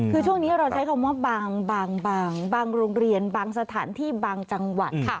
คือช่วงนี้เราใช้คำว่าบางโรงเรียนบางสถานที่บางจังหวัด